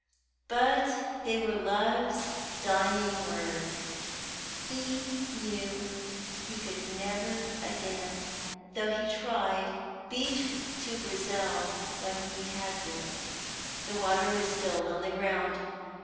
But they were love's dying words. He knew he could never again, though he tried, be to Grizel what he had been. The water was spilled on the ground.